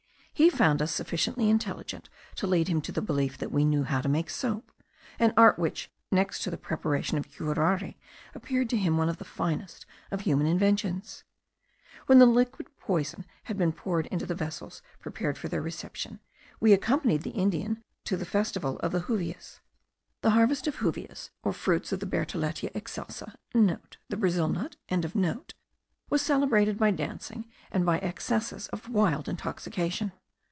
He found us sufficiently intelligent to lead him to the belief that we knew how to make soap, an art which, next to the preparation of curare, appeared to him one of the finest of human inventions. When the liquid poison had been poured into the vessels prepared for their reception, we accompanied the Indian to the festival of the juvias. The harvest of juvias, or fruits of the Bertholletia excelsa,* (* The Brazil nut.) was celebrated by dancing, and by excesses of wild intoxication.